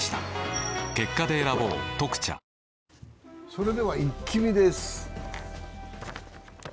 それでは「イッキ見」です。